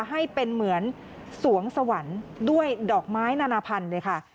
ให้เป็นเหมือนสวงสวรรค์ด้วยดอกไม้นานาพันธุ์เลยค่ะ